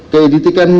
terus pesukan lepas